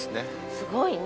すごいね。